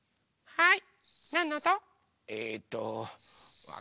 はい！